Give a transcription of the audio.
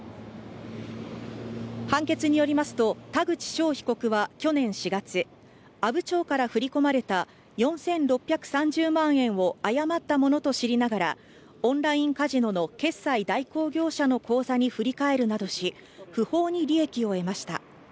判決によりますと田口翔被告は去年４月、阿武町から振り込まれた４６３０万円を誤ったものと知りながらオンラインカジノの決済代行業者の口座に振り替えるなどし不法に利益を得ました。